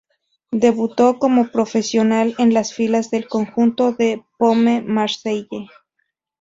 Debutó como profesional en las filas del conjunto La Pomme Marseille.